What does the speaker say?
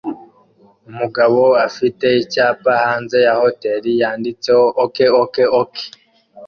Umugabo afite icyapa hanze ya hoteri yanditseho "Ok Ok Ok